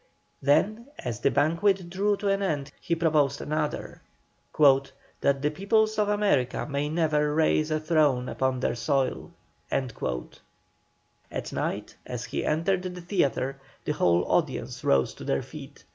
Then as the banquet drew to an end, he proposed another: "That the peoples of America may never raise a throne upon their soil." At night as he entered the theatre, the whole audience rose to their feet.